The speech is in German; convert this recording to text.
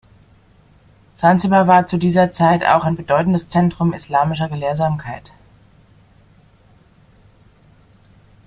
Sansibar war zu dieser Zeit auch ein bedeutendes Zentrum islamischer Gelehrsamkeit.